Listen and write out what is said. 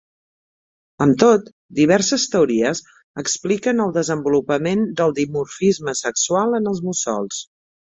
Amb tot, diverses teories expliquen el desenvolupament del dimorfisme sexual en els mussols.